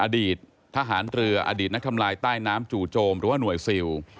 อดีตทหารเรืออดีตนักทำลายใต้น้ำจู่โจมหรือว่าหน่วยซิล